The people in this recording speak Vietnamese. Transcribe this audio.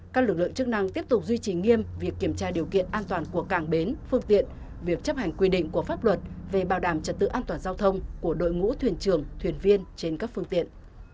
các lực lượng chức năng tiếp tục duy trì nghiêm việc kiểm tra điều kiện an toàn của cảng bến phương tiện việc chấp hành quy định của pháp luật về bảo đảm trật tự an toàn giao thông của đội ngũ thuyền trường thuyền viên trên các phương tiện